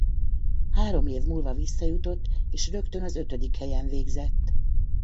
Három év múlva visszajutott és rögtön az ötödik helyen végzett.